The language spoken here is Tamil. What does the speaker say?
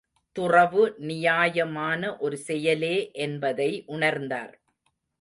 துறவு நியாயமான ஒரு செயலே என்பதை உணர்ந்தார்.